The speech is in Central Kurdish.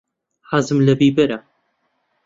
حەزم لە بیبەرە.